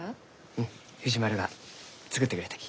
うん藤丸が作ってくれたき。